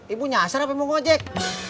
ibu nyasar apa mau ojek